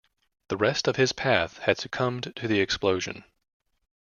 The rest of his path had succumbed to the explosion.